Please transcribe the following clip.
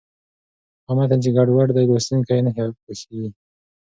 هغه متن چې ګډوډه دی، لوستونکی یې نه پوهېږي.